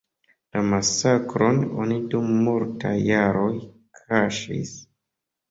La masakron oni dum multaj jaroj kaŝis.